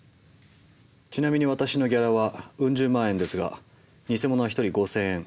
ちなみに私のギャラはウン十万円ですがニセモノは一人５，０００円。